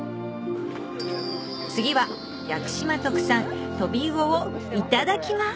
次は屋久島特産トビウオをいただきます！